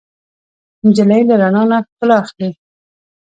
نجلۍ له رڼا نه ښکلا اخلي.